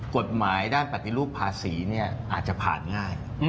กฎหมายด้านปฏิรูปภาษีอาจจะผ่านง่าย